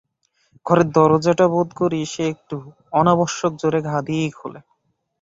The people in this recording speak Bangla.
ঘরের দরজাটা বোধ করি সে একটু অনাবশ্যক জোরে ঘা দিয়েই খোলে।